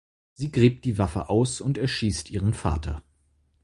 Sie gräbt die Waffe aus und erschießt ihren Vater.